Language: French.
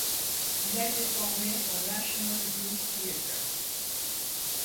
Il a été formé au National Youth Theatre.